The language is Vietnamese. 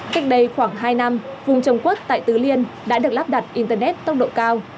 cách đây khoảng hai năm vùng trồng quất tại tứ liên đã được lắp đặt internet tốc độ cao